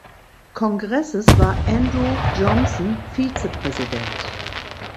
Kongresses war Andrew Johnson Vizepräsident.